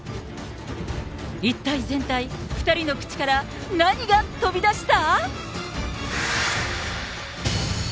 一体全体、２人の口から何が飛び出した？